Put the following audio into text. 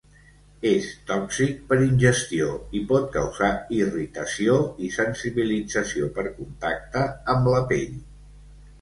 És tòxic per ingestió i pot causar irritació i sensibilització per contacte amb la pell.